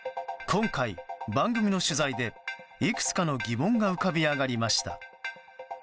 今回、番組の取材でいくつかの疑問が浮かび上がりました。